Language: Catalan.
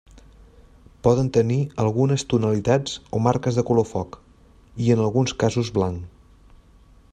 Poden tenir algunes tonalitats o marques de color foc i en alguns casos blanc.